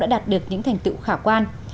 đã đạt được những thành tựu khả quan